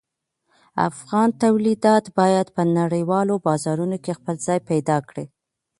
افغان تولیدات باید په نړیوالو بازارونو کې خپل ځای پیدا کړي.